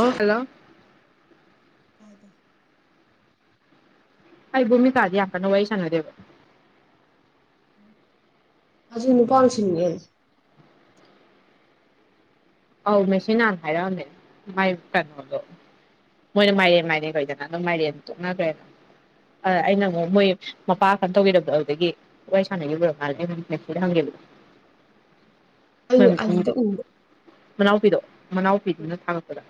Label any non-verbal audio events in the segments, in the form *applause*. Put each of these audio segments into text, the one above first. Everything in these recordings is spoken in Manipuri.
ꯍꯜꯂꯣ ꯇꯥꯏ ꯇꯥꯏ ꯑꯩ ꯕꯨꯃꯤꯀꯥ ꯗꯤ ꯌꯥꯝ ꯀꯟꯅꯥ ꯋꯥꯔꯤ ꯁꯥꯅꯥꯗꯦꯕ ꯑꯖꯤ ꯅꯨꯄꯥꯝ ꯁꯤꯡꯑꯦ ꯑꯧ ꯃꯦꯁꯤꯅꯥ ꯍꯥꯏꯔꯛ ꯑꯝꯃꯦ ꯃꯥꯏ ꯀꯩꯅꯣꯗꯣ ꯃꯣꯏꯅ ꯃꯥꯏꯔꯦꯟ ꯃꯥꯏꯔꯦꯟ ꯀꯧꯏꯗꯅ ꯑꯗꯨꯝ ꯃꯥꯏꯔꯦꯟ ꯇꯣꯛꯅꯈ꯭ꯔꯦ ꯑ ꯑꯩꯅ ꯑꯃꯨꯛ ꯃꯣꯏ ꯃꯄꯥ ꯀꯅꯣ ꯇꯧꯒꯗꯕꯗꯣ ꯑꯗꯨꯗꯒꯤ ꯋꯥꯔꯤ ꯁꯥꯟꯅꯒꯤꯕꯥ ꯃꯥꯜꯂꯦ ꯃꯦꯁꯤꯗ ꯍꯪꯈꯤꯕꯕ ꯑ ꯑꯗꯨꯗꯤ ꯎꯕ ꯃꯅꯥꯎꯄꯤꯗꯣ ꯃꯅꯥꯎꯄꯤꯗꯨꯅ ꯊꯥꯒꯠꯄꯗ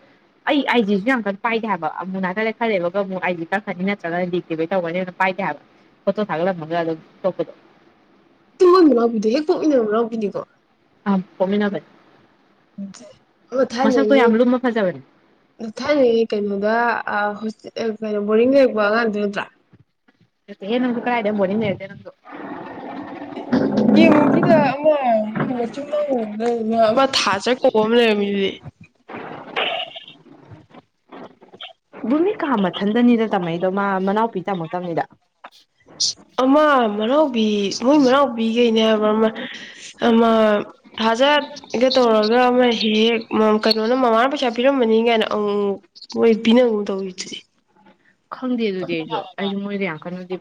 ꯑꯩ ꯑꯥꯏꯖꯤꯦꯁꯨ ꯌꯥꯝ ꯀꯟꯅ ꯄꯥꯏꯗꯦ ꯍꯥꯏꯕ ꯑꯃꯨꯛ ꯅꯥꯟꯜꯂꯦ ꯈꯜꯂꯦꯕꯒ ꯑꯃꯨꯛ ꯑꯩꯗꯤ ꯀꯛꯈꯅꯤ ꯅꯠꯇ꯭ꯔꯒꯅ ꯂꯤꯛꯇꯤꯕꯩ ꯇꯧꯔꯅꯤ ꯑꯗꯨꯅ ꯄꯥꯏꯗꯦ ꯍꯥꯏꯕ ꯐꯣꯇꯣ ꯊꯥꯒꯠꯂꯝꯃꯒ ꯑꯗꯨꯝ ꯇꯣꯄꯗꯣ ꯇꯨꯝꯕ ꯍꯔꯥꯎꯕꯤꯗꯣ ꯍꯦꯛ ꯀꯣꯛ ꯏꯅ ꯍꯔꯥꯎꯕꯤꯅꯤꯀꯣ ꯑ ꯑꯣꯃꯤꯅꯥꯕꯠ ꯑꯣ ꯊꯥꯅꯤꯡꯉꯦ ꯂꯨꯝꯃ ꯐꯖꯕꯅꯦ ꯊꯥꯅꯤꯡꯦ ꯀꯩꯅꯣꯗ ꯀꯩꯅꯣ ꯕꯣꯔꯤꯡ ꯂꯩꯔꯛꯄ ꯉꯗ ꯅꯠꯇ꯭ꯔꯥ ꯃꯦ ꯅꯪꯒ ꯀꯥꯏꯗꯦ ꯃꯣꯅꯤ ꯅꯦꯗꯦ ꯅꯪꯣ ꯀꯦꯝꯒꯤꯗ ꯑꯃ ꯃꯣꯏ ꯃꯆꯤꯟꯅꯥꯎ ꯂꯩ ꯑꯃ ꯊꯥꯖ ꯀꯣꯝ ꯂꯩꯃꯤꯗꯤ ꯚꯨꯃꯤ ꯀꯥ ꯃꯊꯟꯗꯅꯤꯗ ꯇꯝꯃꯗꯣ ꯃꯥ ꯃꯅꯥꯎꯄꯤ ꯇꯝꯃꯛꯇꯕꯅꯤꯗ ꯑꯃ ꯃꯅꯥꯥꯎꯕꯤ ꯃꯣꯏ ꯃꯥꯎꯕꯤꯈꯩꯅꯦ ꯑꯃ ꯊꯥꯖꯒ ꯇꯧꯔꯒ ꯑꯃ ꯍꯦꯛ ꯀꯩꯅꯣꯅ ꯃꯃꯥꯅ ꯄꯩꯁꯥ ꯄꯤꯔꯝꯕꯃꯅꯤ ꯀꯥꯏꯅ ꯑ ꯑꯣꯏꯣꯏ ꯄꯤꯅ ꯎ ꯇꯧꯇꯗꯤ ꯈꯪꯗꯦ ꯑꯗꯨꯗꯤ ꯑꯩꯁꯨ ꯑꯩꯁꯨ ꯃꯣꯏꯗ ꯌꯥꯝ ꯀꯟꯅꯗꯦ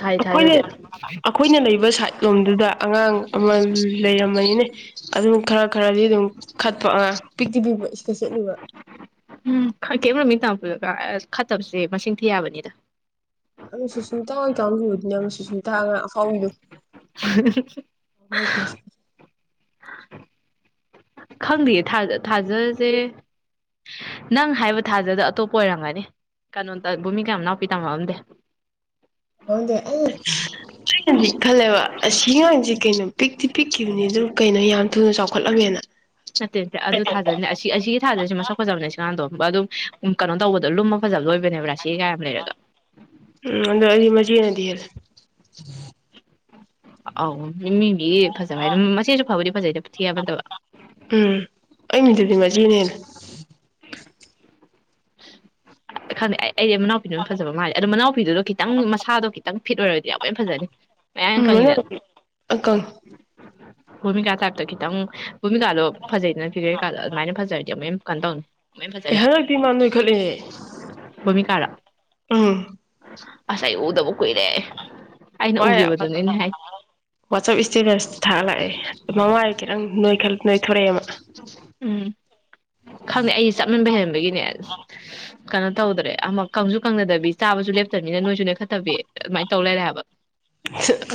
ꯊꯥꯗꯤ ꯑꯩꯈꯣꯏꯅ ꯊꯥꯖꯗꯦ ꯑꯩꯈꯣꯏꯅ ꯂꯩꯕ ꯁꯥꯏꯠ ꯂꯣꯝꯗꯨꯗ ꯑꯉꯥꯡ ꯑꯃ ꯂꯩꯔꯝꯃꯅꯤꯅꯦ ꯑꯗꯨꯝ ꯈꯔ ꯈꯔꯗꯤ ꯑꯗꯨꯝ ꯈꯠꯄ ꯑꯉꯥꯡ ꯄꯤꯛꯛꯇꯤ ꯄꯤꯕ ꯏꯁꯗ ꯆꯦꯠꯂꯤꯕ ꯎꯝ ꯀꯦꯝꯃꯤꯡ ꯇ ꯈꯠꯇꯕꯁꯦ ꯃꯁꯤꯡ ꯊꯤ ꯌꯥꯕꯅꯤꯗ ꯑ ꯁꯨꯁꯃꯤꯇꯥ ꯍꯣꯏ ꯇꯪꯕꯤꯕꯗꯨꯅꯦ ꯑꯃ ꯁꯨꯁꯃꯤꯇꯥ ꯈꯔ ꯐꯥꯎꯏꯗꯣ *inaudible* ꯈꯪꯗꯦꯌꯦ ꯊꯥꯖꯁꯦ ꯅꯪ ꯍꯥꯏꯕ ꯊꯥꯖꯗ ꯑꯇꯣꯞꯄ ꯑꯣꯏꯔꯝꯒꯅꯤ ꯀꯩꯅꯣꯇ ꯕꯣꯃꯤ ꯀꯌꯥꯝ ꯅꯥꯎꯄꯤ ꯇꯝꯃꯛꯑꯝꯗꯦ ꯑꯗꯨꯗ ꯑꯦ ꯑꯩꯅꯗꯤ ꯈꯜꯂꯦꯕ ꯑꯁꯤꯒꯥꯡꯁꯦ ꯀꯩꯅꯣ ꯄꯤꯛꯇꯤ ꯄꯤꯛꯈꯤꯕꯅꯤ ꯑꯗꯨ ꯀꯩꯅꯣ ꯌꯥꯝ ꯊꯨꯅ ꯆꯥꯎꯈꯠꯂꯝꯃꯦꯅ ꯅꯠꯇꯦ ꯅꯠꯇꯦ ꯑꯗꯨ ꯊꯥꯖꯅꯦ ꯑꯁꯤꯒꯤ ꯊꯥꯖꯔꯤꯁꯤ ꯃꯁꯛ ꯐꯖꯕꯅꯦ ꯁꯤ ꯀꯀꯥꯟꯗꯣ ꯑꯗꯨꯝ ꯀꯩꯅꯣ ꯇꯧꯕ ꯑꯗꯣ ꯂꯨꯝꯃ ꯐꯖꯕ ꯂꯣꯏꯕꯅꯦꯕ ꯔꯥꯁꯤ ꯀꯌꯥꯝ ꯂꯩꯔꯒ ꯎꯝ ꯑꯗꯣ ꯑꯩꯗꯤ ꯃꯆꯦꯅꯗꯤ *inaudible* ꯑꯥꯎ ꯃꯤꯃꯤꯅꯤ ꯐꯖꯕ ꯍꯥꯏ ꯃꯆꯦꯁꯨ ꯐꯕꯗꯤ ꯐꯖꯩꯗ ꯊꯤꯕꯠꯇꯕ ꯎ ꯈ ꯑꯩꯗꯤ ꯃꯅꯥꯎꯄꯤꯗꯨꯅꯝ ꯐꯖꯕ ꯃꯥꯜꯂ ꯑꯗꯣ ꯃꯅꯥꯎꯄꯤꯗꯨꯣ ꯈꯤꯇꯪꯁꯥꯗꯣ ꯈꯤꯇꯪ ꯐꯤꯠ ꯑꯣꯏꯔꯗꯤ ꯌꯥꯝ ꯂꯣꯏꯅ ꯐꯖꯅꯤ ꯃꯌꯥꯡ ꯎꯝ ꯀꯪꯉꯤꯗꯅ ꯑꯀ ꯚꯣꯃꯤꯀꯥ ꯇꯞꯇ ꯈꯤꯇꯪ ꯚꯣꯃꯤꯀꯥꯗꯣ ꯐꯖꯩꯅ ꯐꯤꯔꯦ ꯀꯥꯟꯂꯗ ꯑꯗꯨꯃꯥꯏꯅ ꯐꯖꯔꯗꯤ ꯃ ꯀ ꯇꯧꯅꯤ ꯑꯃꯨꯛ ꯍꯦꯟꯅ ꯑꯦ ꯐꯖꯅꯤ ꯍꯟꯗꯛꯇꯤ ꯃꯥ ꯅꯣꯏꯈꯠꯂꯤꯅꯦ ꯀꯃꯤ ꯀꯥꯥ ꯑꯥ ꯑꯁ ꯇꯕꯨ ꯀꯨꯏꯔꯦ ꯑꯩꯅ ꯋꯥ ꯎꯈꯤꯕꯗꯨꯅꯤꯅꯦ ꯍꯥꯏ ꯋꯥꯆꯞ ꯏꯁꯇꯦꯇꯁ ꯊꯥ ꯂꯥꯛꯑꯦ ꯃꯃꯥꯏ ꯈꯤꯇꯪ ꯅꯣꯏꯈꯠ ꯅꯣꯏꯊꯣꯔꯛꯑꯦꯕ ꯎꯝ ꯈꯪꯗꯦ ꯑꯩ ꯆꯞ ꯃꯟꯕ ꯍꯦꯟꯍꯦꯟꯕꯒꯤꯅꯦ ꯑꯁ *unintelligible* ꯀꯩꯅꯣ ꯇꯧꯗ꯭ꯔꯦ ꯑꯃꯛ ꯀꯪꯁꯨ ꯀꯪꯅꯗꯕꯤ ꯆꯥꯕꯁꯨ ꯂꯦꯞꯇꯕꯅꯤꯅ ꯅꯣꯏꯁꯨ ꯂꯦꯈꯠꯇꯕꯤ ꯑꯗꯨꯃꯥꯏꯅ ꯇꯧ ꯂꯩꯔꯦ ꯍꯥꯏꯕ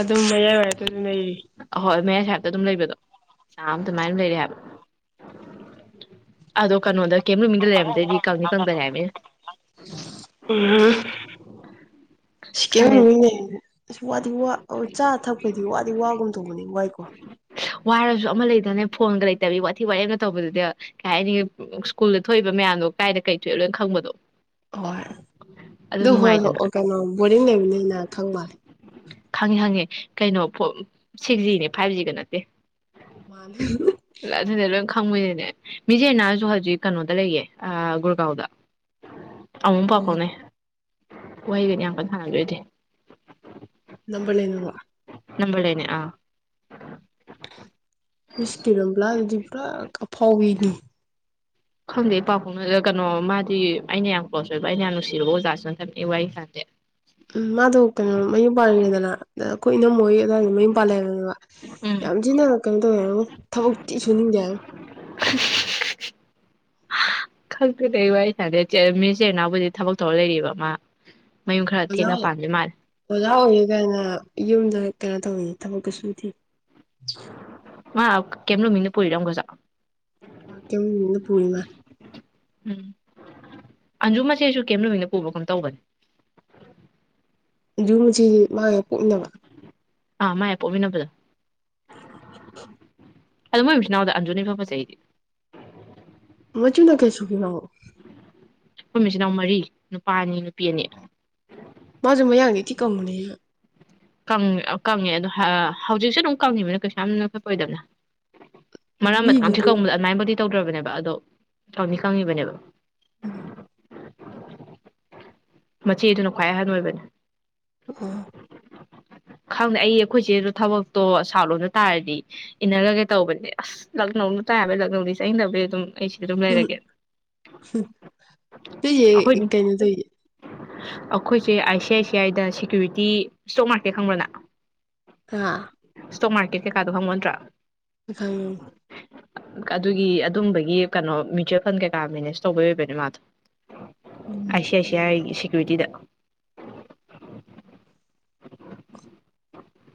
ꯑꯗꯨꯝ ꯃꯌꯥꯏꯋꯥꯏꯇ ꯑꯗꯨꯝ ꯂꯩꯔꯤ ꯑꯍꯣꯏ ꯃꯌꯥꯏ ꯁꯍꯕꯇ ꯑꯗꯨꯝ ꯂꯩꯕꯗꯣ ꯆꯥꯝ ꯑꯗꯨꯃꯥꯏꯅ ꯂꯩꯔꯦ ꯍꯥꯏꯕ ꯑꯗꯣ ꯀꯩꯅꯣꯗ ꯀꯦꯝ ꯅꯨꯃꯤꯗ ꯂꯩꯔꯝꯗꯣꯏꯗꯤ ꯀꯥꯎꯅꯤ ꯀꯪꯗ ꯂꯩ ꯍꯥꯏꯃꯤꯅꯦ ꯎꯝ ꯁꯤ ꯀꯦ ꯈꯪꯗꯦ ꯑꯁ ꯋꯥꯗꯤ ꯋꯥ ꯆꯥ ꯊꯛꯄꯗꯤ ꯋꯥꯗꯤ ꯋꯥꯒꯨꯝ ꯇꯣꯡꯧꯕꯅꯤ ꯋꯥꯏꯀꯣ ꯋꯥꯔꯁꯨ ꯑꯃ ꯂꯩꯗꯅꯦ ꯐꯣꯟꯒ ꯂꯩꯇꯕꯤ ꯋꯥꯊꯤ ꯋꯥꯌꯦꯡꯒ ꯇꯧꯕꯗꯨꯗꯤ ꯀꯩ ꯍꯥꯏꯅꯤ ꯁ꯭ꯀꯨꯜꯗ ꯊꯣꯛꯏꯕ ꯃꯌꯥꯝꯗꯣ ꯀꯥꯏꯗ ꯀꯩ ꯊꯣꯛꯑꯦ ꯂꯣꯏꯅ ꯈꯪꯕꯗꯣ ꯍꯣꯏ ꯑꯗꯨ ꯍꯣꯏ ꯍꯣꯏ ꯀꯩꯅꯣ ꯕꯣꯔꯗꯤꯡ ꯂꯩꯕꯅꯤꯅ ꯊꯪꯕꯅꯤ ꯈꯪꯉꯤ ꯈꯪꯉꯦ ꯀꯩꯅꯣ ꯁꯤꯛꯁ ꯖꯤꯅꯦ ꯐꯥꯏꯚ ꯖꯤꯒ ꯅꯠꯇꯦ ꯃꯥ ꯈꯪꯉꯣꯏꯗꯅꯦ ꯃꯤꯖꯦꯅꯥꯁꯨ ꯍꯧꯖꯤꯛ ꯀꯩꯅꯣꯗ ꯂꯩꯌꯦ ꯒꯨꯔꯒꯥꯎꯗ ꯑꯨꯝ ꯑꯣ ꯄꯥꯄꯅꯦ ꯋꯥꯍꯩꯒꯅꯤ ꯌꯥꯝ ꯀꯟꯅ ꯁꯥꯟꯅꯗꯣꯏꯗꯤ ꯅꯝꯕ ꯂꯩꯅ ꯋꯥ ꯅꯝꯕꯅꯦ ꯑ ꯃꯤꯁ ꯇꯤꯔꯂ ꯑꯗꯨꯗꯤ ꯄꯨꯔꯥ ꯑꯐꯥꯎꯋꯤꯅꯤ ꯈꯪꯗꯦ ꯏ ꯄꯥꯎ ꯐꯥꯎꯅ ꯀꯩꯅꯣ ꯃꯥꯗꯤ ꯑꯩꯅ ꯌꯥꯝ ꯀ꯭ꯂꯣꯁ ꯑꯣꯏꯕ ꯑꯩꯅ ꯌꯥꯝ ꯅꯨꯡꯁꯤꯨꯔꯕ ꯑꯣꯖꯥꯁꯨꯅ ꯊꯝꯃꯛꯏ ꯋꯥꯔꯤꯍ ꯈꯥꯟꯗꯤꯦ ꯎꯝ ꯃꯥꯗ ꯀꯩꯅ ꯃꯌꯨꯝ ꯄꯗꯅ ꯑꯩꯈꯣꯏ ꯏꯅꯝ ꯃꯣꯏꯒꯤ ꯑꯗꯨꯋꯥꯏꯗ ꯃꯌꯨꯝ ꯄꯥꯜ ꯂꯩꯕꯅꯦꯕ ꯎꯝ ꯌꯥꯝ ꯊꯤꯟꯅ ꯀꯩꯅꯣ ꯇꯧꯋꯦꯣ ꯊꯕꯛꯇꯤ ꯁꯨꯅꯤꯡꯗꯦ ꯈꯛꯇꯦꯗ ꯑꯩ ꯋꯥꯔꯤ ꯁꯥꯟꯗꯦ ꯃꯤꯆ ꯏꯅꯥꯎꯕꯨꯗꯤ ꯊꯕꯛ ꯊꯧꯔ ꯂꯩꯔꯤꯕ ꯑꯃ ꯑꯣꯖꯥ ꯑꯣꯖꯥ ꯑꯣꯏꯌꯦ ꯀꯥꯏꯅ ꯌꯨꯝꯗ ꯀꯩꯅꯣ ꯇꯧꯑꯦ ꯊꯕꯛꯀ ꯁꯨ ꯊ ꯃꯥ ꯀꯩꯂꯣꯃꯤꯅ ꯄꯨꯔꯤꯔꯝꯒꯖꯥ ꯀꯤꯝ ꯏ ꯄꯔꯃ ꯎꯝ ꯑꯟꯖꯨ ꯃꯁꯦꯁꯨ ꯀꯦꯝ ꯅꯨꯃꯤꯅ ꯄꯨꯕꯒꯨꯝ ꯇꯧꯕꯅꯤ ꯨꯝꯕꯁꯤ ꯃꯥꯒ ꯄꯣꯛꯅꯕ ꯑꯥ ꯃꯥꯏ ꯄꯣꯚꯅꯕꯂ *inaudible* ꯑꯗꯨ ꯃꯣꯏ ꯃꯆꯤꯟꯅꯥꯎꯗ ꯑꯟꯖꯣꯅꯤ ꯐ ꯐ ꯆꯩꯩꯗꯤ ꯃꯆꯨ ꯅ ꯀꯩꯁꯨꯨ ꯀꯤꯃꯑꯣ ꯑꯩꯈꯣꯏ ꯃꯆꯤꯟꯜꯅꯥꯎ ꯃꯔꯤ ꯅꯨꯄꯥ ꯑꯅꯤ ꯅꯨꯄꯤ ꯑꯅꯤ ꯃꯖꯕꯨ ꯌꯥꯡꯒꯦ ꯀꯤ ꯀꯃꯍꯅꯦ ꯌꯥ ꯀꯪꯉꯦ ꯑꯗꯣ ꯍꯧꯖꯤꯛꯁꯨꯦ ꯑꯗꯨꯝ ꯀꯪꯉꯤꯕꯅ ꯀꯩꯁꯥ ꯌꯥꯝ ꯅꯈꯠꯄ ꯑꯣꯏꯗꯕꯅ ꯃꯔꯝꯥꯡꯁꯨ ꯃꯤꯗꯤꯗꯤ ꯀ ꯑꯗꯨꯃꯥꯏꯕꯗꯤ ꯇꯧꯗ꯭ꯔꯕꯅꯦꯕ ꯑꯗꯣꯧꯅꯤ ꯈꯪꯉꯤꯕꯅꯦꯕ ꯎꯝ ꯃꯆꯦꯗꯨꯅ ꯈ꯭ꯋꯥꯏꯍꯟ ꯑꯣꯏꯕꯅꯦ ꯑꯣ ꯈꯪꯗꯦ ꯑꯩ ꯑꯩꯈꯣꯏꯁꯦ ꯑꯗꯨ ꯊꯕꯛꯇꯣ ꯁꯥꯠ ꯂꯣꯗ ꯇꯥꯔꯗꯤ ꯏꯟꯅꯔꯒꯩ ꯇꯧꯕꯅꯦ ꯑꯁ ꯂꯛꯅꯧꯅ ꯇꯥꯏꯕ ꯂꯛꯅꯧꯗ ꯆꯪꯗꯅꯕꯩ ꯑꯗꯨꯝ ꯑꯩ ꯁꯤꯗ ꯑꯗꯨꯝ ꯎꯝ ꯂꯩꯔꯒꯦ ꯇꯩꯦ ꯑꯩꯈꯣꯏ ꯀꯩꯅꯣ ꯇꯌꯦꯦ ꯑꯩꯈꯣꯏꯁꯦ ꯑꯥꯏ ꯁꯤ ꯑꯥꯏ ꯁꯤ ꯑꯥꯏꯗ ꯁꯦꯀ꯭ꯌꯨꯔꯤꯇꯤ ꯏꯁꯇꯣꯛ ꯃꯥꯔꯀꯦꯠ ꯈꯪꯕ꯭ꯔꯅ ꯑ ꯏꯁ꯭ꯇꯣꯛ ꯃꯥꯔꯀꯦꯠ ꯀꯩꯀꯥꯣ ꯐꯪꯉ ꯅꯗ꯭ꯔꯥ ꯑꯈ ꯑꯗꯨꯒꯤ ꯑꯗꯨꯝꯕꯒꯤ ꯀꯩꯅꯣ ꯃꯨꯆ꯭ꯋꯦꯜ ꯐꯟ ꯀꯩꯀꯥ ꯃꯦꯅꯦꯖ ꯇꯧꯕ ꯑꯣꯏꯕꯅꯦ ꯃꯥꯗꯣ ꯎꯝ ꯂꯝꯗ ꯀꯌꯥ ꯁꯦꯀ꯭ꯌꯨꯔꯤꯇꯤꯗ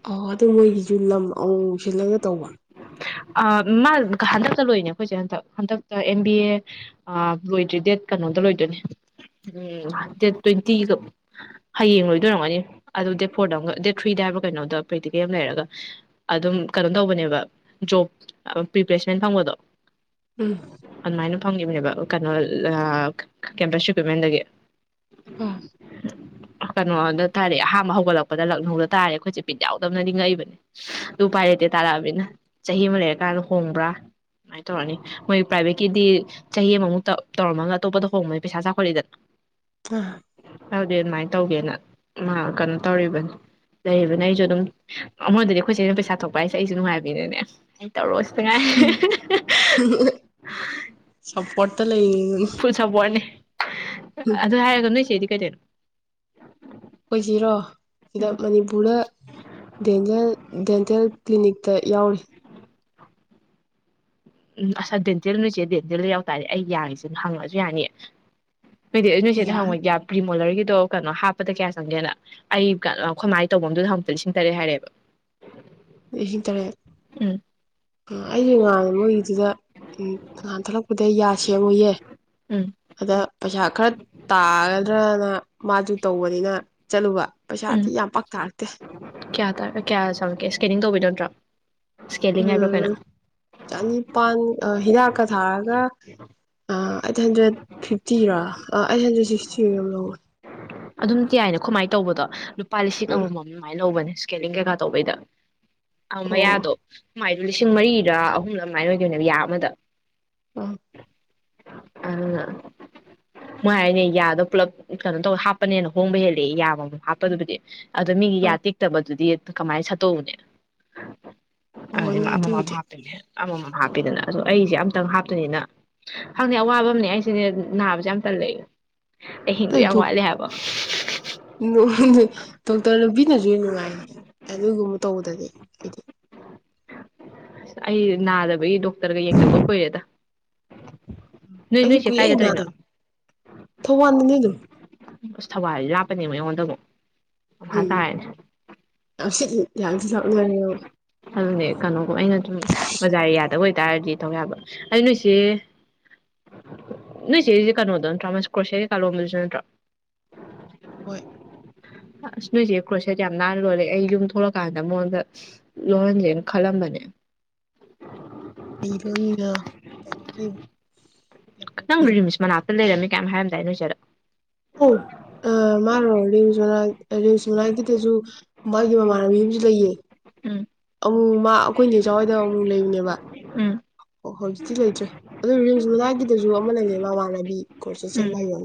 ꯑ ꯑꯗꯨ ꯃꯣꯏꯒꯤꯁꯨ ꯂꯝ ꯑꯃ ꯁꯤꯜꯂꯒ ꯇꯧꯕ ꯃꯥ ꯍꯟꯗꯛꯇ ꯂꯣꯏꯅꯦ ꯑꯩꯈꯣꯏꯁꯦ ꯍꯟꯗꯛ ꯍꯟꯗꯛꯇ ꯑꯦꯝ ꯕꯤ ꯑꯦ ꯂꯣꯏꯗ꯭ꯔꯤ ꯗꯦꯠ ꯀꯩꯅꯣꯗ ꯂꯣꯏꯗꯣꯏꯅꯦ ꯎ ꯗꯦꯠ ꯇ꯭ꯋꯦꯟꯇꯤꯒ ꯍꯌꯦꯡ ꯂꯣꯏꯗꯣꯏꯔꯝꯒꯅꯤ ꯑꯗꯨꯣ ꯗꯦꯠ ꯐꯣꯔꯗ ꯗꯦꯠ ꯊ꯭ꯔꯤꯗ ꯍꯥꯏꯕ ꯀꯩꯅꯣꯗ ꯄ꯭ꯔꯦꯛꯇꯤꯀꯦꯜ ꯌꯥꯝ ꯂꯩꯔꯒ ꯑꯗꯨꯝ ꯀꯩꯅꯣ ꯇꯧꯕꯅꯦꯕ ꯖꯣ ꯄ꯭ꯔꯤꯄ꯭ꯂꯦꯁꯃꯦꯟ ꯐꯪꯕꯗꯣ ꯎꯝ ꯑꯗꯨꯃꯥꯏꯅ ꯐꯪꯈꯤꯕꯅꯦꯕ ꯀꯩꯅꯣ ꯀꯦꯝꯄꯁ ꯏꯀ꯭ꯋꯤꯞꯃꯦꯟꯗꯒꯤ ꯑ *inaudible* ꯀꯩꯅꯣꯗ ꯇꯥꯔꯛꯑꯦ ꯑꯍꯥꯥꯟꯕ ꯍꯧꯒꯠꯂꯛꯄꯗ ꯂꯛꯅꯧꯗ ꯇꯥꯔꯦ ꯑꯩꯈꯣꯏꯁꯦ ꯄꯤ ꯌꯥꯎꯗꯕꯅ ꯅꯤꯡꯉꯛꯏꯕꯅꯦ ꯑꯗꯨ ꯄꯥꯏꯔꯇꯦ ꯇꯥꯔꯛꯑꯃꯤꯅ ꯆꯍꯤ ꯑꯃ ꯂꯩꯔꯀꯥꯟꯗ ꯍꯣꯡꯕ꯭ꯔꯥ ꯑꯗꯨꯃꯥꯏꯅ ꯇꯧꯔꯅꯤ ꯃꯣꯏ ꯄ꯭ꯔꯥꯏꯚꯦꯠꯀꯤꯗꯤ ꯆꯍꯤ ꯑꯃꯃꯨꯛꯇ ꯇꯧꯔꯝꯃꯒ ꯑꯇꯣꯞꯄꯗ ꯍꯣꯡꯕꯅꯤ ꯄꯩꯁꯥ ꯆꯥꯎꯈꯠꯂꯤꯗꯅ ꯑ ꯍꯥꯏꯗꯤ ꯑꯗꯨꯃꯥꯏꯅ ꯇꯧꯒꯦꯅ ꯃꯥ ꯀꯩꯅꯣ ꯇꯧꯔꯤꯕꯅꯤ ꯂꯩꯔꯤꯕꯅꯦ ꯑꯩꯁꯨ ꯑꯗꯨꯝ ꯑꯩꯉꯣꯟꯗꯗꯤ ꯑꯩꯈꯣꯏꯁꯦ ꯑꯩꯅ ꯄꯩꯁꯥ ꯊꯣꯛꯄ ꯍꯥꯏꯁꯦ ꯑꯩꯁꯨ ꯅꯨꯡꯉꯥꯏꯕꯤꯅꯤꯅꯦ ꯇꯧꯔꯣ ꯁꯤꯇ ꯉꯥꯏ ꯁꯞꯄꯣꯔꯠꯇ ꯂꯩꯔꯤꯅꯤ ꯐꯨꯠ ꯁꯄꯣꯔꯠꯅꯦ ꯑꯗꯨ ꯍꯥꯏꯔꯗꯣ ꯅꯣꯏ ꯁꯤꯗꯤ ꯀꯦ ꯑꯣꯏꯁꯤꯔꯣ ꯁꯤꯗ ꯃꯅꯤꯄꯨꯔꯗ ꯗꯦꯟꯇꯦꯜ ꯗꯦꯟꯇꯦꯜ ꯀ꯭ꯂꯤꯅꯤꯛ ꯇ ꯌꯥꯎꯅꯤ ꯎꯝ ꯑꯁꯥ ꯗꯦꯟꯇꯦꯜ ꯅꯨꯁꯦ ꯗꯦꯟꯇꯦꯜꯗ ꯌꯥꯎꯇꯥꯥꯔꯦ ꯑꯩ ꯌꯥꯔꯤꯁꯤꯅ ꯍꯪꯉꯁꯨ ꯌꯥꯅꯤꯌꯦ ꯍꯥꯏꯗꯤ ꯑꯗꯨ ꯅꯣꯏ ꯁꯤꯁꯤꯗ ꯌꯥꯅꯤ ꯍꯪꯋꯥꯛ ꯌꯥ꯭ ꯃꯣꯂꯔꯒꯤꯗꯣ ꯀꯩꯅꯣ ꯍꯥꯞꯄꯗ ꯀꯌꯥ ꯆꯪꯒꯦꯅ ꯑꯩꯃꯥꯏꯅ ꯇꯧꯕꯐꯝꯗꯨꯗ ꯑꯃꯨꯛꯇ ꯂꯤꯁꯤꯡ ꯇꯔꯦꯠ ꯍꯥꯏꯔꯛꯦꯕ ꯍ ꯇꯔꯦ ꯑꯩꯁꯦ ꯉ ꯃꯣꯏꯒꯤꯗꯨꯗ ꯅꯉꯥꯟ ꯊꯣꯛꯂꯛꯄꯗ ꯌꯥꯁꯦ ꯃꯣꯏꯌꯦꯦ ꯎꯝ ꯑꯗ ꯄꯩꯁꯥ ꯈꯔ ꯇꯥꯒꯗ꯭ꯔꯅ ꯃꯥꯁꯨ ꯇꯧꯕꯅꯤꯅ ꯆꯠꯂꯨꯕ ꯎꯝ ꯄꯩꯁꯥꯗꯤ ꯌꯥꯝ ꯄꯥꯛ ꯇꯥꯔꯛꯇꯦ ꯀꯌꯥ ꯇ ꯀꯌꯥ ꯆꯪꯉꯛꯀꯦ ꯏꯁꯀꯦꯅꯤꯡ ꯇꯧꯕꯤꯅꯣ ꯅꯠꯇ꯭ꯔꯣ ꯏꯁꯀꯦꯂꯤꯡ ꯍꯥꯏꯕ꯭ꯔꯥ ꯀꯩꯅꯣ ꯎꯝ ꯆꯅꯤ ꯄꯥꯟ ꯍꯤꯗꯥꯛꯀ ꯊꯥꯔꯒ ꯑꯩꯠ ꯍꯟꯗ꯭ꯔꯦꯠ ꯐꯤꯐꯇꯤꯔꯥꯥ ꯑꯩꯠ ꯍꯟꯗ꯭ꯔꯦꯠ ꯁꯤꯛꯁꯇꯤ ꯌꯥꯝ ꯂꯧꯧꯕꯅꯤ ꯑꯗꯨꯝ ꯇꯏꯅ ꯀꯃꯥꯏꯅ ꯇꯧꯕꯗꯣ ꯂꯨꯄꯥ ꯂꯤꯁꯤꯡ ꯎꯝ ꯑꯃꯃꯝ ꯑꯗꯨꯃꯥꯏꯅꯧꯕꯅꯦ ꯏꯁꯀꯦꯅꯤꯡ ꯀꯩꯀꯥ ꯇꯧꯕꯩꯗ ꯑꯃ ꯑꯣ ꯌꯥꯎꯗꯣ ꯃꯥꯥꯏ ꯂꯤꯁꯤꯡ ꯃꯔꯤꯔ ꯑꯍꯨꯝꯗ ꯑꯗꯨꯃꯥꯏꯅ ꯑꯣꯏꯗꯣꯏꯅꯦꯕ ꯌꯥ ꯑꯃꯗ ꯎꯝ ꯑ ꯃꯣꯏ ꯍꯥꯏꯅꯦ ꯌꯥꯗꯣ ꯄꯨꯂꯞ ꯀꯩꯅꯣ ꯇꯧ ꯍꯥ ꯍꯥꯞꯄꯅꯦꯅ ꯍꯣꯡꯕ ꯍꯦꯜꯂꯛꯦ ꯌꯥꯕ ꯑꯃ ꯍꯥꯞꯄꯗꯨꯕꯨꯗꯤ ꯑꯗꯣ ꯃꯤꯒꯤ ꯌꯥ ꯇꯦꯛꯇꯕꯗꯨꯗꯤ ꯑ ꯀꯃꯥꯏꯅ ꯁꯠꯇꯣꯛꯎꯅꯦ ꯍꯣꯏꯅꯦ ꯑ ꯃꯥ ꯑꯗꯨꯕꯨꯗꯤ ꯃꯥꯄꯜꯦ ꯑꯃꯃꯝ ꯍꯥꯞꯄꯤꯗꯅ ꯑꯗꯣ ꯑꯩꯁꯦ ꯑꯝꯇꯪ ꯍꯥꯞꯇꯣꯏꯅꯤꯅ ꯍꯪꯗꯦ ꯑꯋꯥꯕ ꯑꯃꯅꯦ ꯑꯩꯁꯤꯅꯦ ꯅꯥꯕꯁꯦ ꯌꯥꯝ ꯇꯜꯂ ꯑꯦ ꯍꯤꯟꯗꯗꯨ ꯌꯥ ꯌꯥꯝ ꯍꯔꯜꯦ ꯍꯥꯏꯕ ꯗꯣꯛꯇꯔ ꯅꯨꯕꯤꯅꯁꯨ ꯅꯨꯡꯉꯥꯏꯔ ꯑꯗꯨꯒꯨꯝꯕ ꯇꯧꯕꯗꯗꯤ ꯑꯩꯗꯤ ꯑꯁ ꯑꯩ ꯅꯥꯗꯕꯒꯤ ꯗꯣꯛꯇꯔꯒ ꯌꯦꯡꯗꯕ ꯀꯨꯏꯔꯦꯗ ꯅꯣꯏ ꯑꯩꯁꯨ ꯅꯣꯏꯁꯦ ꯀꯨꯏꯔꯦ ꯀꯥꯏꯗ ꯏ ꯅꯥꯗ ꯇꯧꯔꯤꯅꯣ ꯊꯧꯕꯥꯜꯗꯅꯦ ꯑꯗꯨꯝ ꯑꯁ ꯊꯧꯕꯥꯜꯗꯤ ꯂꯥꯞꯄꯅꯦꯕ ꯑꯩꯉꯣꯟꯗꯕꯨꯣ ꯎꯝ ꯇꯔꯅꯦ ꯌꯥꯝ ꯁꯤꯠꯂꯤ ꯌꯥꯝ ꯁꯤꯠꯂꯛꯅꯔꯦꯕ ꯑꯗꯨꯅꯦ ꯀꯩꯅꯣꯒꯨꯝ ꯑꯩꯅ ꯁꯨꯝ ꯕꯖꯥꯔ ꯑꯦꯔꯤꯌꯥꯗ ꯑꯣꯏ ꯍꯥꯏꯇꯥꯔꯗꯤ ꯇꯧ ꯌꯥꯕ ꯑꯗꯨ ꯅꯣꯏꯁꯦ ꯅꯣꯏꯁꯦꯁ ꯀꯩꯅꯣꯗ ꯅꯠꯇ꯭ꯔꯣ ꯀ꯭ꯔꯣꯁꯤꯌꯥꯒꯤ ꯀꯥꯂꯣꯝꯗꯨꯁꯨ ꯅꯠꯇ꯭ꯔꯣ ꯍꯣꯏ ꯑꯁ ꯅꯣꯏꯁꯦ ꯀ꯭ꯔꯣꯁꯦꯠ ꯌꯥꯝ ꯅꯥꯟꯅ ꯂꯣꯜꯂꯦ ꯑꯩ ꯌꯨꯝ ꯊꯣꯛꯂꯛꯀꯥꯟꯗ ꯃꯉꯣꯟꯗ ꯂꯣꯜꯍꯟꯁꯦꯅ ꯈꯜꯂꯝꯕꯅꯦ ꯂꯩꯔꯣꯅꯤꯔ ꯀꯩꯅꯣ ꯅꯪ ꯅꯨꯔꯤꯃꯤꯁꯃ ꯅꯅꯥꯜ ꯂꯩꯔꯝꯃꯦ ꯀꯌꯥꯝ ꯍꯥꯏꯔꯝꯗꯥꯏ ꯅꯣꯖꯔꯣ ꯑꯣ ꯑ ꯃꯥꯔꯣ ꯡꯁꯣꯅꯥ ꯔꯤꯡꯁꯣꯅꯥꯒꯤꯗꯁꯨ ꯃꯥꯒꯤ ꯃꯃꯥꯟꯅꯕꯤ ꯑꯃꯁꯨ ꯂꯩꯌꯦ ꯎꯝ ꯑꯃꯨ ꯃꯥ ꯑꯩꯈꯣꯏꯅꯦ ꯏꯖꯋꯥꯏꯗ ꯑꯃꯨꯛ ꯂꯩꯔꯤꯅꯦꯕ ꯎꯝ ꯑꯣ ꯍꯣꯏ ꯍꯧꯖꯤꯛꯇꯤ ꯂꯩꯇ꯭ꯔꯦ ꯑꯗꯨ ꯔꯖ ꯃꯅꯥꯏꯒꯤꯗꯁꯨ ꯑꯃ ꯂꯩꯌꯦ ꯋꯥꯅꯗꯤ ꯀꯁꯤ ꯎꯝ ꯁꯃꯥꯏꯒ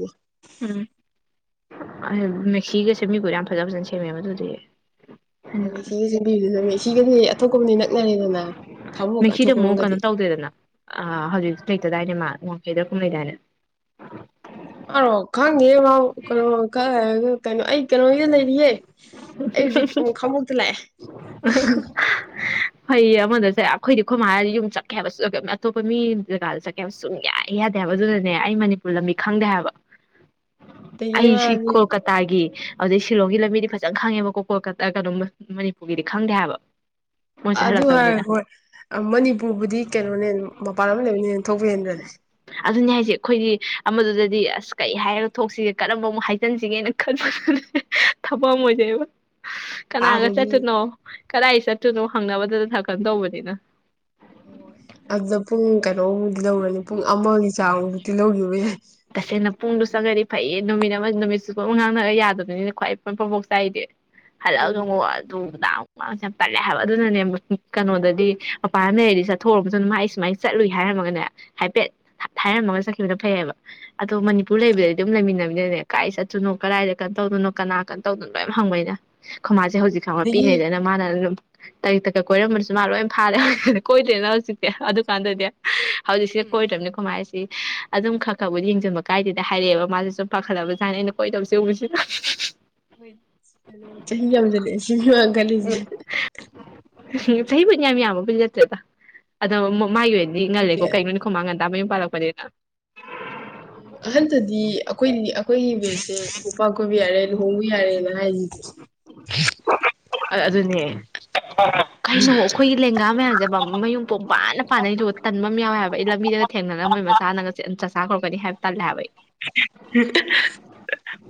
ꯃꯦꯛꯁꯤꯒꯁꯦꯃꯤꯒ ꯌꯥꯝ ꯐꯖ ꯐꯖꯅ ꯁꯦꯝꯃꯦꯕ ꯑꯗꯨꯗꯤ ꯑꯣ ꯃꯤꯁꯤ ꯆꯕꯤ ꯁꯤꯒꯗꯤ ꯑꯇꯣꯞꯄꯅꯤ ꯅꯛꯅꯔꯦꯗꯅ ꯊꯃꯣꯒ ꯃꯦꯛꯁꯤꯗꯨ ꯑꯃꯨꯛ ꯑꯊꯣꯛꯄꯝꯒꯗꯤ ꯀꯩꯅꯣ ꯇꯧꯗꯦꯗꯅ ꯑ ꯍꯧꯖꯤꯛ ꯇꯗꯥꯏꯅꯦ ꯃꯥ ꯋꯥꯡꯈꯩꯗ ꯗꯨꯝ ꯂꯩꯩꯗꯥꯢꯅꯦ ꯃꯥꯔꯣ ꯈꯪꯗꯤꯌꯦ ꯃꯥ ꯀꯩꯅꯣ ꯀꯩꯅꯣ ꯑꯩ ꯀꯩꯅꯣꯒꯤꯗ ꯂꯩꯔꯤꯌꯦ ꯑꯩ ꯍꯧꯖꯤꯛ ꯑꯃꯨꯛ ꯈꯥꯡꯉꯕꯣꯛꯇ ꯂꯥꯛꯑꯦ *inaudible* ꯍꯩꯌꯦ ꯑꯃꯗꯁꯦ ꯑꯩꯈꯣꯏꯗꯤ ꯈꯨꯣꯏꯃ ꯍꯥꯏꯔꯗꯤ ꯌꯨꯝ ꯆꯠꯀꯦ ꯍꯥꯏꯕꯁꯨ ꯑꯇꯣꯞꯄ ꯃꯤ ꯖꯒꯥꯗ ꯆꯠꯀꯦ ꯍꯥꯏꯕ ꯁꯨꯝ ꯌꯥꯏ ꯌꯥꯗꯦ ꯍꯥꯏꯕ ꯑꯗꯨꯅꯅꯦ ꯑꯩ ꯃꯅꯤꯄꯨꯔ ꯂꯝꯕꯤ ꯈꯪꯗꯦ ꯍꯥꯏꯕ ꯑꯗꯒꯤ ꯑꯩꯁꯤ ꯃꯥꯗꯤ ꯀꯣꯜꯀꯇꯥꯒꯤ ꯑꯗꯨꯗꯩ ꯁꯤꯂꯣꯡꯒꯤ ꯂꯝꯃꯗꯤ ꯐ ꯈꯤꯖꯪ ꯈꯪꯉꯦꯕ ꯀꯣꯀꯣꯜ ꯀꯩꯅꯣ ꯃꯅꯤꯄꯨꯔꯒꯤꯗꯤ ꯈꯪꯗꯦ ꯍꯥꯏꯕ ꯃꯣꯏ ꯑꯗꯨ ꯆꯠꯍꯜꯂꯛꯇꯕꯅꯤꯅ ꯍꯥꯢꯔꯒ ꯍꯣꯏ ꯃꯅꯤꯄꯨꯔꯕꯨꯗꯤ ꯀꯩꯅꯣꯅ ꯍꯦꯟ ꯃꯄꯥꯟ ꯂꯝ ꯂꯩꯕꯅꯦꯅ ꯍꯦꯟ ꯊꯣꯛꯄ ꯍꯦꯟꯕꯅꯦ ꯑꯗꯨꯅꯤ ꯍꯥꯏꯁꯦ ꯑꯩꯈꯣꯏꯗꯤ ꯑꯃꯗꯨꯗꯗꯤ ꯑꯁ ꯀꯔꯤ ꯍꯥꯏꯔꯒ ꯊꯣꯛꯁꯤꯒꯦ ꯀꯔꯝꯕ ꯑꯃꯨꯛ ꯍꯥꯏꯖꯤꯟꯁꯤꯒꯦꯅ ꯈꯟꯕ ꯥꯎ ꯃꯖꯥ ꯏꯕ *unintelligible* ꯀꯅꯥꯒ ꯑꯥꯗꯗꯤ ꯆꯠꯇꯣꯏꯅꯣ ꯀꯗꯥꯏ ꯆꯠꯇꯣꯏꯅꯣ ꯍꯪꯅꯕꯗꯗꯥ ꯊ ꯀꯗꯧꯕꯅꯤꯅ ꯀꯩꯅꯣꯕꯨꯗꯤ ꯂꯧꯔꯅꯤ ꯄꯨꯡ ꯑꯃꯒꯤ ꯆꯥꯡꯃꯨꯗꯤ ꯂꯧꯈꯤꯕ ꯌꯥꯢ ꯇꯁꯦꯡꯅ ꯄꯨꯡꯗꯨ ꯆꯪꯉꯗꯤ ꯐꯩꯌꯦ ꯅꯨꯃꯤꯠ ꯑꯃ ꯅꯨꯃꯤꯠꯆꯨꯞꯄ ꯑꯃ ꯉꯥꯡꯅꯔ ꯌꯥꯗꯕꯅꯤꯅ ꯈ꯭ꯋꯥꯏ ꯄ ꯐꯣꯛꯐꯥꯛ ꯆꯥꯏꯁꯦ ꯍꯂꯉ ꯎꯝ ꯑꯗꯨꯗꯥ *unintelligible* ꯃꯥꯁ ꯌꯥꯝ ꯇꯜꯂꯦ ꯍꯥꯏꯕ ꯑꯗꯨꯅꯅꯦ ꯀꯩꯅꯣꯗꯗꯤ ꯃꯄꯥꯟ ꯂꯩꯔꯗꯤ ꯆꯠꯊꯣꯛꯎ ꯃꯇꯨꯡ ꯃꯥ ꯑꯩ ꯁꯨꯃꯥꯏꯅ ꯆꯠꯂꯨꯏ ꯍꯥꯏꯔꯝꯃꯒꯅꯦ ꯍꯥꯏꯐꯦꯠ ꯍꯥꯏꯔꯝꯃꯒ ꯆꯠꯈꯤꯕꯗ ꯐꯩꯑꯕ ꯗꯨ ꯃꯅꯤꯄꯨꯔ ꯐꯩ ꯂꯩꯕꯗꯗꯤ ꯑꯗꯨꯝ ꯂꯩꯃꯤꯟꯅꯕ ꯀꯥꯏ ꯆꯠꯇꯨꯅꯣ ꯀꯗꯥꯏꯗ ꯀꯩꯅꯣ ꯇꯧꯗꯅꯣ ꯀꯅꯥ ꯀ ꯇꯧꯗꯣꯏꯅꯣ ꯌꯥꯝ ꯍꯪꯕꯅꯤꯅ ꯁꯦ ꯍꯧꯖꯤꯛ ꯈꯪꯕ ꯑꯗꯒꯤ ꯄꯤꯉꯩꯗꯅ ꯃꯥꯅ ꯑꯗꯨꯝ ꯇꯔꯤ ꯇꯛ ꯀ ꯀꯣꯏꯔꯝꯕꯁꯨ ꯃꯥ ꯂꯣꯏꯅ ꯐꯥꯔꯦ ꯍꯧꯖꯤꯛꯇꯤ ꯀꯣꯏꯗ꯭ꯔꯦꯅ ꯍꯧꯖꯤꯛꯇꯤ ꯑꯗꯨꯀꯥꯟꯗꯗꯤ ꯍꯧꯖꯤꯛꯗꯤꯁꯤ ꯎꯝ ꯀꯣꯏ ꯇꯝꯅꯤ ꯀꯃꯥꯏꯁꯤ ꯑꯗꯨꯝ ꯈꯪ ꯊꯧꯕꯗ ꯌꯦꯡꯁꯤꯟꯕ ꯀꯥꯏꯗꯦꯗ ꯍꯥꯏꯔꯛꯑꯦꯕ ꯃꯥꯁꯦ ꯁꯨꯝꯄꯥꯈꯠꯂꯕꯅꯤ ꯑꯩꯅ ꯀꯣꯏꯗꯁꯦ ꯎꯕꯁꯤꯗ ꯍꯣꯏ ꯀꯩꯅꯣ ꯆꯍꯤ ꯌꯥꯝꯗꯂꯦ ꯁꯤꯅꯤꯃ ꯀꯜꯂꯤꯁꯦ ꯎ ꯆꯍꯤꯕꯨꯗꯤ ꯌꯥꯝ ꯌꯥꯝꯕꯕꯨꯗꯤ ꯅꯠꯇꯦꯗ ꯑꯗꯣ ꯃꯥꯒꯤ ꯑꯣꯏꯅꯗꯤ ꯉꯜꯂꯦꯀꯣ ꯅꯠꯇꯦ ꯀꯩꯅꯣꯅꯤ ꯈꯃꯥꯡꯒꯗꯦ ꯗ ꯃꯌꯨꯝ ꯄꯥꯜꯂꯛꯄꯗꯅꯤꯅ ꯎꯝ ꯑꯍꯟꯗꯗꯤ ꯑꯩꯈꯣꯏ ꯑꯩꯈꯣꯏꯒꯤ ꯕꯦꯁꯠꯁꯦ ꯅꯨꯄ ꯀꯣꯏꯕ ꯌꯥꯔꯦ ꯂꯨꯍꯣꯡꯕ ꯌꯥꯔꯦꯅ ꯍꯥꯏꯔꯤꯁꯦ ꯑꯑꯗꯨꯅꯦ ꯀꯩꯅꯣ ꯑꯩꯈꯣꯏꯒꯤ ꯂꯦꯡꯒꯥ ꯃꯌꯥꯝꯁꯦ ꯖ ꯃꯌꯨꯝ ꯄꯣꯝ ꯄꯥꯟꯗ ꯄꯥꯅꯩꯗꯨ ꯇꯟꯕ ꯑꯃ ꯌꯥꯎꯋꯦ ꯍꯥꯏꯕ ꯑꯩ ꯂꯝꯕꯤꯗꯒ ꯊꯦꯡꯅꯔꯒ ꯃꯣꯏ ꯃꯆꯥꯅꯒ ꯆꯥꯛꯆꯥ ꯀꯧꯔꯛꯀꯅꯤ ꯍꯥꯏꯕ ꯇꯜꯂꯦ ꯍꯥꯏꯕ ꯑꯩ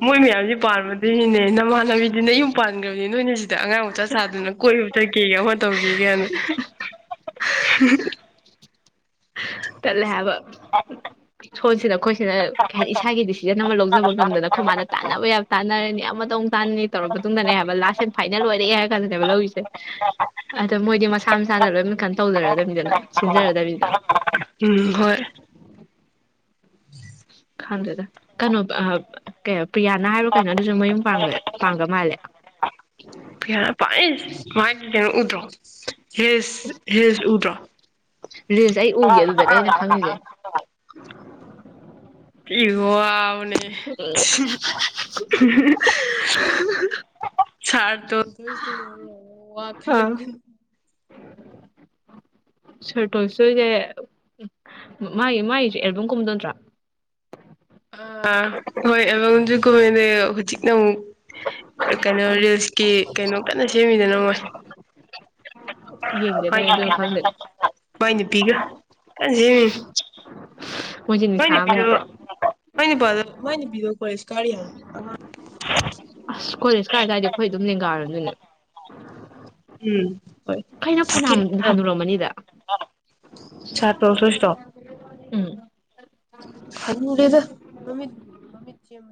ꯃꯣꯏ ꯃꯌꯥꯝꯁꯦ ꯄꯥꯟꯕꯥꯗꯒꯤꯅꯤꯅꯦ ꯏꯃꯥꯟꯅꯕꯤꯗꯤ ꯅꯌꯨꯝ ꯄꯥꯟꯈ꯭ꯔꯕꯅꯦ ꯅꯣꯏꯅꯁꯤꯗ ꯗ ꯑꯉꯥꯡ ꯃꯆꯥ ꯁꯥꯗꯅ ꯀꯣꯏꯕ ꯆꯀꯦꯒ ꯇꯧꯒꯦꯒꯅ *inaudible* ꯇꯜꯂꯦ ꯍꯥꯏꯕ ꯑꯥ ꯁꯣꯏꯁꯤꯔ ꯑꯩꯈꯣꯏꯁꯤꯗ ꯀꯩ ꯍꯥꯏꯅꯤ ꯏꯁꯥꯒꯤ ꯗꯤꯁꯤꯖꯟ ꯑꯃ ꯂꯧꯖꯕ ꯉꯝꯗꯅ ꯑꯩꯈꯣꯏ ꯃꯥꯅ ꯇꯥꯟꯅꯕ ꯌꯥꯝ ꯇꯥꯟꯅꯔꯅꯤ ꯌꯥꯝ ꯇ ꯇꯥꯅꯤ ꯇꯧꯔ ꯃꯇꯨꯡꯗꯅꯦ ꯍꯥꯏꯕ ꯂꯥꯁꯁꯦ ꯐꯥꯏꯅꯦꯜ ꯑꯣꯏꯔꯛꯑꯦ ꯍꯥꯏ ꯈꯥꯟꯂꯅꯦꯕ ꯂꯧꯔꯤꯁꯦ ꯑꯗ ꯃꯣꯏꯗꯤ ꯃꯁꯥ ꯃꯁꯥꯅ ꯂꯣꯏ ꯃꯈ ꯃꯈꯟ ꯇꯧꯖꯔꯗꯅꯤꯗꯅ ꯁꯤꯟꯖꯔꯗꯅꯤꯅ ꯎꯝ ꯍꯣꯏ ꯈꯪꯗꯗ ꯀꯩꯅꯣ ꯄ꯭ꯔꯤꯌꯥꯅ ꯍꯥꯏꯔꯨ ꯀꯩꯅꯣ ꯑꯗꯨꯁꯨ ꯃꯌꯨꯝ ꯄꯥꯡꯒ ꯃꯥꯜꯂꯦ ꯄꯤꯌꯥꯔ ꯄ ꯃꯥꯅ ꯎꯗ꯭ꯔꯣ ꯍ *inaudible* ꯍꯦꯁ ꯍꯦꯁ ꯎꯕ꯭ꯔꯣ ꯔꯤꯜꯁ ꯑꯩ ꯎꯒꯦ ꯑꯗꯨꯗꯅꯦ ꯑꯩꯅ ꯈꯪꯉꯤꯁꯦ *unintelligible* ꯅꯦ ꯁꯔ ꯋꯥ ꯈꯜ ꯁꯔꯇꯣꯁꯣꯏꯁꯦ ꯃꯥꯒꯤ ꯃꯥꯒꯤꯁꯨ ꯑꯦꯜꯕꯝ ꯒꯨꯝꯕꯗꯨ ꯅꯠꯇ꯭ꯔꯥ ꯑ ꯍꯣꯏ ꯑꯕꯪꯖꯨꯀꯣꯃꯦꯟꯅꯦ ꯍꯧꯖꯤꯛꯅ ꯑꯃꯨꯛ ꯀꯩꯅꯣ ꯔꯤꯜꯁꯀꯤ ꯀꯩꯅꯣ ꯀꯟꯅ ꯁꯦꯝꯃꯤꯗꯅ ꯃꯣꯏ ꯌꯦꯡꯗꯦ ꯅꯣꯏ ꯑꯗꯨꯅ ꯈꯪꯗꯦ ꯍꯣꯏꯅꯤ ꯒ *unintelligible* ꯃꯣꯏꯁꯤ ꯅꯤꯁꯥꯥꯑꯃꯥꯅꯤꯀꯣ ꯃꯣꯏꯅꯤ ꯐ ꯃꯣꯏꯅꯤ ꯄꯤꯗꯣ ꯀꯁ ꯀꯔꯤ ꯍꯥꯏ ꯑꯁ ꯀꯣꯂꯦꯁ ꯀꯥꯏꯗꯥꯋꯥꯏꯗ ꯑꯩꯈꯣꯏ ꯑꯗꯨꯝ ꯂꯦꯡꯒꯥꯅꯦ ꯎꯝ ꯍꯣꯏ ꯀꯩꯅ ꯐꯅ ꯍꯅꯨꯔꯝꯃꯅꯤꯗ ꯁꯥꯔꯇ꯭ꯔ ꯎꯝ ꯍꯥꯅꯨꯔꯗꯥ ꯃꯃꯤꯠ ꯃꯃꯤꯠ ꯆꯃ